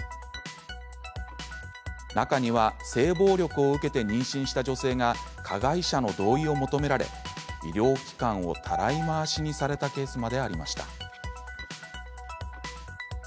中には性暴力を受けて妊娠した女性が加害者の同意を求められ医療機関をたらい回しにされたケースまでありました。